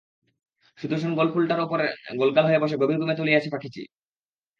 সুদর্শন গোল ফুলটার ওপরে গোলগাল হয়ে বসে গভীর ঘুমে তলিয়ে আছে পাখিটি।